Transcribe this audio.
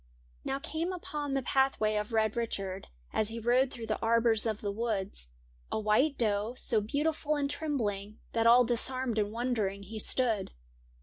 Now came upon the pathway of Red Richard, As he rode through the arbours of the wood, A white doe, so beautiful and trembling, That all disarmed and wondering he stood.